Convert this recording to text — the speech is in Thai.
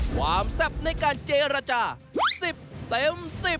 แซ่บในการเจรจา๑๐เต็ม๑๐